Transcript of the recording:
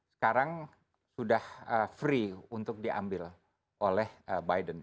sekarang sudah free untuk diambil oleh biden